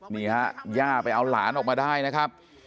นี่ฮะย่าไปเอาหลานออกมาได้นะครับ